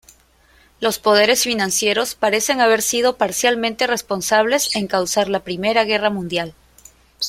Los poderes financieros parecen haber sido parcialmente responsables en causar la Primera Guerra Mundial.